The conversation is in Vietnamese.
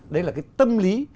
đấy là cái tâm lý